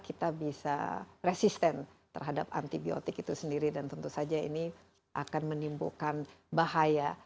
kita bisa resisten terhadap antibiotik itu sendiri dan tentu saja ini akan menimbulkan bahaya